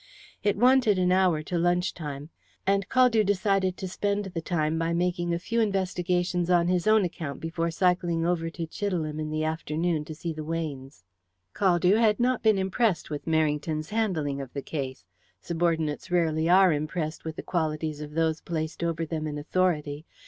It wanted an hour to lunch time, and Caldew decided to spend the time by making a few investigations on his own account before cycling over to Chidelham in the afternoon to see the Weynes. Caldew had not been impressed with Merrington's handling of the case. Subordinates rarely are impressed with the qualities of those placed over them in authority.